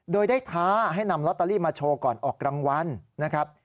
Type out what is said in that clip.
โดยได้ท้าให้นำลอตเตอรี่มาโชว์ก่อนออกรางวัลนะครับ